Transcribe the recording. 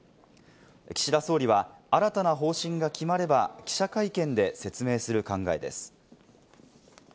岸田総理は新たな方針が決まれば、記者会見で説明する考えです。